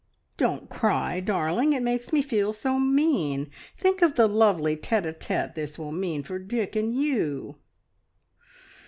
... Don't cry, darling; it makes me feel so mean. Think of the lovely tete a tete this will mean for Dick and you!"